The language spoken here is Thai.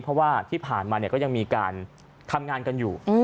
เพราะว่าที่ผ่านมาก็ยังมีการทำงานกันอยู่